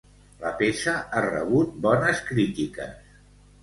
La peça ha rebut bones crítiques.